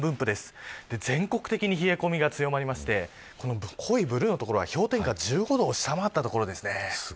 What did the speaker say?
全国的に冷え込みが強まりまして濃いブルーの所は氷点下１５度を下回った所です。